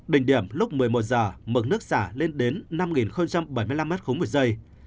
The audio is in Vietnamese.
đỉnh điểm lúc một mươi một giờ mực nước xả lên đến năm bảy mươi năm m ba một giây